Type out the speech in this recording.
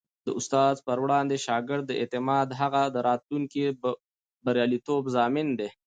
د استاد پر وړاندې د شاګرد اعتماد د هغه د راتلونکي بریالیتوب ضامن دی.